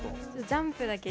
ジャンプだけ？